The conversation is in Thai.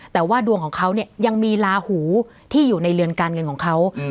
แต่ว่าดวงของเขาเนี่ยยังมีลาหูที่อยู่ในเรือนการเงินของเขา